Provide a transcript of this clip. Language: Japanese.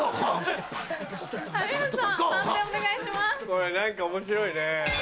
これ何か面白いね。